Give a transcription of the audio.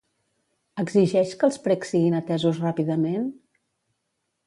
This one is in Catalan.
Exigeix que els precs siguin atesos ràpidament?